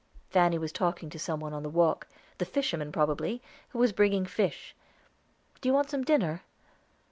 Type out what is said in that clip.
Fanny was talking to some one on the walk; the fisherman probably, who was bringing fish. "Do you want some dinner?"